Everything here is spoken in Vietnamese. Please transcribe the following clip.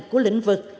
của lĩnh vực